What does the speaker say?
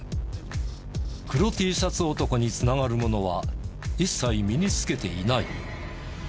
黒Ｔシャツ男に繋がるものは一切身に着けていない。